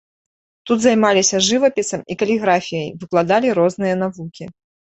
Тут займаліся жывапісам і каліграфіяй, выкладалі розныя навукі.